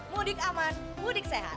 mudik aman mudik sehat